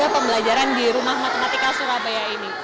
pembelajaran di rumah matematika surabaya ini